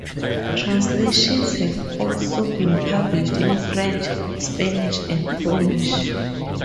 Translations have also been published in French, Spanish and Polish.